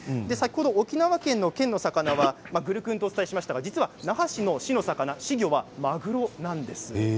沖縄県の県の魚はグルクンとお伝えしましたが那覇市の市のお魚市魚はマグロなんです。